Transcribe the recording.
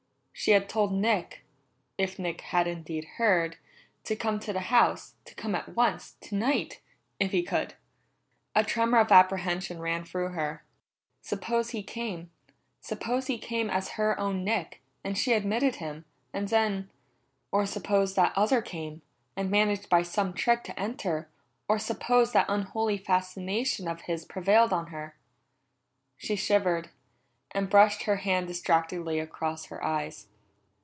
She had told Nick if Nick had indeed heard to come to the house, to come at once, tonight, if he could. A tremor of apprehension ran through her. Suppose he came; suppose he came as her own Nick, and she admitted him, and then or suppose that other came, and managed by some trick to enter, or suppose that unholy fascination of his prevailed on her she shivered, and brushed her hand distractedly across her eyes.